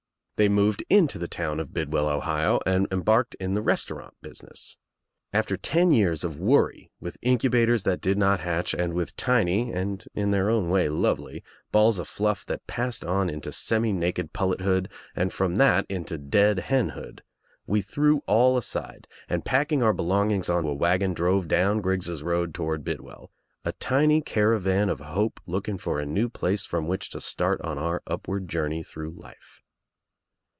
They moved into the town of ■Bidwell, Ohio and embarked in the res taurant business, After ten years of worry with in cubators that did not hatch, and with tiny — and in their own way lovely — balls of fluff that passed on into :semi naked pullethood and from that into dead hen lood, we threw all aside and packing our belongings on a wagon drove down Griggs's Road toward Bid well, a tiny caravan of hope looking for a new place from which to start on our upward journey through life.